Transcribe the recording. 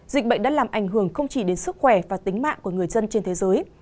dịch bệnh đã làm ảnh hưởng không chỉ đến sức khỏe và tính mạng của người dân trên thế giới